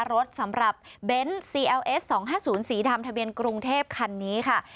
รถสำหรับเบนซ์สองห้าศูนย์สีดำทะเบียนกรุงเทพฯคันนี้ค่ะ